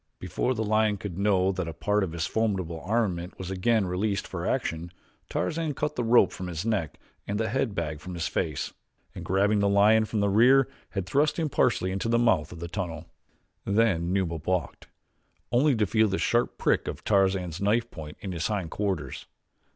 Before the lion could know that a part of his formidable armament was again released for action, Tarzan had cut the rope from his neck and the head bag from his face, and grabbing the lion from the rear had thrust him partially into the mouth of the tunnel. Then Numa balked, only to feel the sharp prick of Tarzan's knife point in his hind quarters.